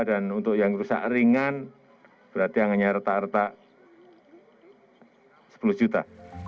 dan untuk yang rusak ringan berarti yang hanya retak retak sepuluh juta